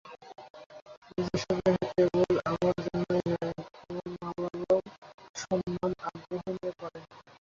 সেসব লেখা কেবল আমার জন্যই নয়, আমার মা-বাবাও সমান আগ্রহ নিয়ে পড়েন।